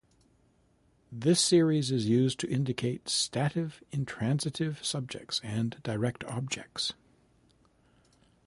This series is used to indicate stative intransitive subjects and direct objects.